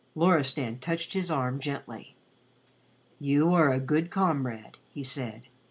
Loristan touched his arm gently. "You are a good comrade," he said.